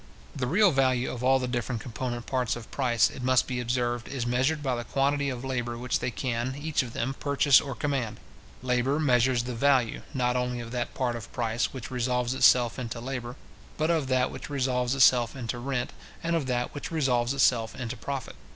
The real value of all the different component parts of price, it must be observed, is measured by the quantity of labour which they can, each of them, purchase or command. Labour measures the value, not only of that part of price which resolves itself into labour, but of that which resolves itself into rent, and of that which resolves itself into profit.